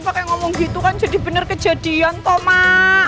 pakai ngomong gitu kan jadi bener kejadian toh mak